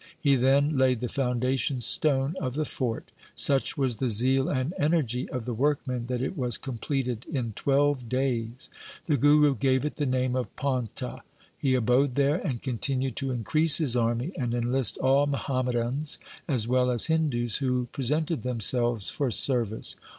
He then laid the foundation stone of the fort. Such was the zeal and energy of the workmen that it was completed in twelve days. The Guru gave it the name of Paunta. He abode there, and continued to increase his army and enlist all Muhammadans as well as Hindus who presented themselves for service.